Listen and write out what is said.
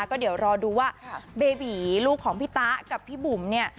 ก็เดี๋ยวรอดูว่าเบบีลูกของพี่ตะกับพี่บุ๋มเนี่ย